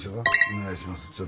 お願いします。